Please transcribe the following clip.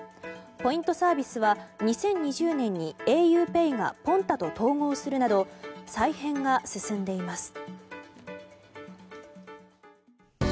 ポイントサービスは２０２０年にａｕＰＡＹがＰｏｎｔａと統合するなど再編が進んでいます。